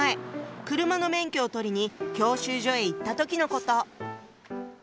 車の免許を取りに教習所へ行った時のこと。